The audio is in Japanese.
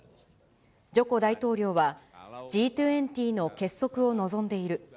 ジョコ大統領は、Ｇ２０の結束を望んでいる。